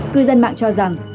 cư dân mạng cho rằng